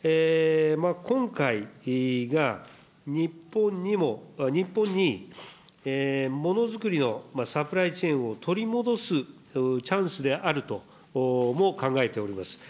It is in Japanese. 今回が日本にものづくりのサプライチェーンの取り戻すチャンスであるとも考えております。